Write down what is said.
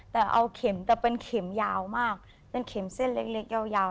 แต่เอาเข็มแต่เป็นเข็มยาวมากเป็นเข็มเส้นเล็กยาว